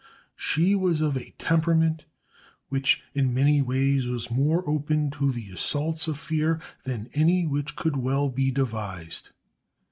She was of a temperament which in many ways was more open to the assaults of fear than any which could well be devised.